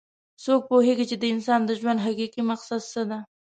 څوک پوهیږي چې د انسان د ژوند حقیقي مقصد څه ده